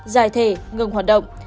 giải thể ngừng hoạt động